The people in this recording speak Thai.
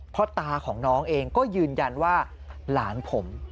พ่อตาของน้องเองก็ยืนยันว่าหลานผม